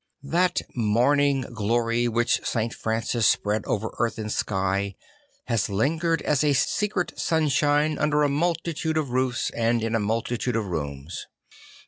That morning glory which St. Francis spread over earth and sky has lingered as a secret sunshine under a multitude of roofs and in a multitude of rooms.